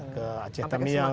ke aceh tamiang